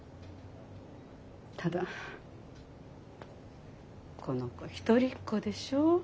ただこの子一人っ子でしょ？